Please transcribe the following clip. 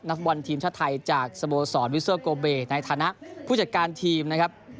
ฟุตบอลทีมชาติไทยจากสโมสรวิสเตอร์โกเบในฐานะผู้จัดการทีมนะครับ